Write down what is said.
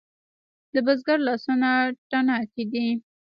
د بزګر لاسونه تڼاکې دي؟